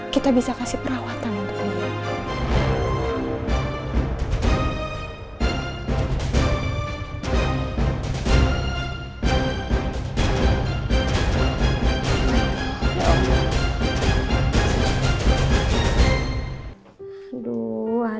kita bisa kasih perawatan untuk ini